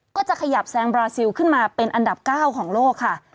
ก็จะขยับแซงบราซิลขึ้นมาเป็นอันดับ๙ของโลกค่ะ